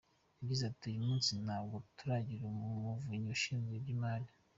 Yagize ati “Uyu munsi ntabwo turagira Umuvunyi ushinzwe iby’imari.